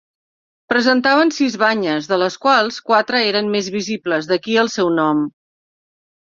Presentaven sis banyes, de les quals quatre eren més visibles, d'aquí el seu nom.